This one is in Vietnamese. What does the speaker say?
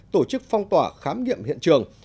tổ chức phong tỏa khám nghiệm hiện trường